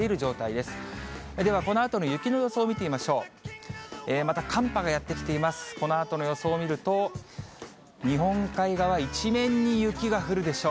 ではこのあとの雪の予想を見てみましょう。